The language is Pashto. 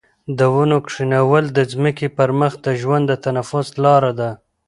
د ونو کښېنول د ځمکې پر مخ د ژوند د تنفس لاره ده.